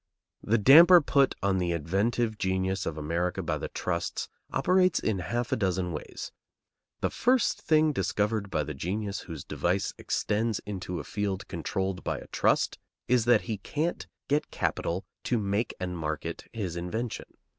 The damper put on the inventive genius of America by the trusts operates in half a dozen ways: The first thing discovered by the genius whose device extends into a field controlled by a trust is that he can't get capital to make and market his invention.